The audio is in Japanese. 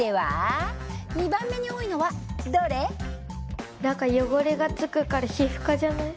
では何か汚れがつくから皮膚科じゃない？